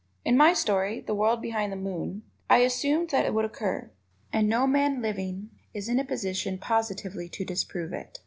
In my story, "The World Behind the Moon," I assumed that would occur. And no man living is in a position positively to disprove it.